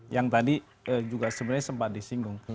yang tadi juga sebenarnya sempat disinggung